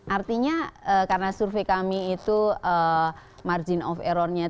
artinya karena survei kami itu margin of error nya tiga sembilan